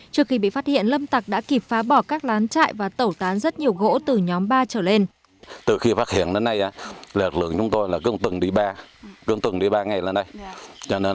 trước khi bị phát hiện lâm tạc đã kịp phá bỏ các lán chạy và tẩu tán rất nhiều gỗ từ nhóm ba trở lên